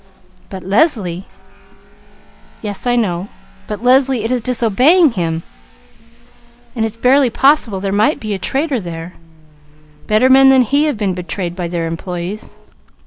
But Leslie Yes, I know, but Leslie it is disobeying him, and it's barely possible there might be a traitor there; better men than he have been betrayed by their employees.